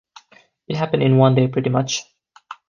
It happened in one day pretty much.